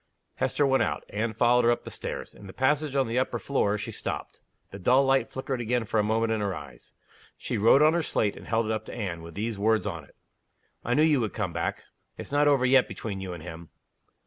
Hester went out. Anne followed her up the stairs. In the passage on the upper floor she stopped. The dull light flickered again for a moment in her eyes. She wrote on her slate, and held it up to Anne, with these words on it: "I knew you would come back. It's not over yet between you and him."